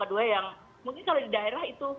dua yang mungkin kalau di daerah itu